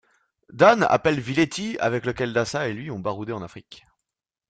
Dan appelle Villetti, avec lequel Dassa et lui ont baroudé en Afrique.